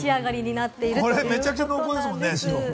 白はめちゃくちゃ濃厚ですもんね。